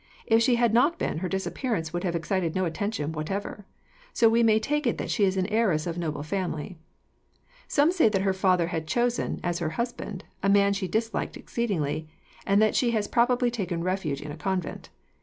If she had not been, her disappearance would have excited no attention whatever. So we may take it that she is an heiress of noble family. Some say that her father had chosen, as her husband, a man she disliked exceedingly, and that she has probably taken refuge in a convent.